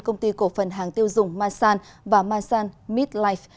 công ty cổ phần hàng tiêu dùng masan và masan meat life